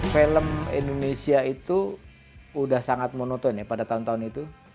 film indonesia itu sudah sangat monoton ya pada tahun tahun itu